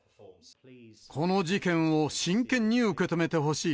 この事件を真剣に受け止めてほしい。